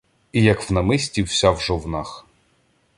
І як в намисті, вся в жовнах.